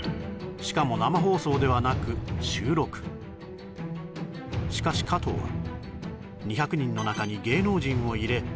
しかも生放送ではなく収録しかし加藤は２００人の中に芸能人を入れ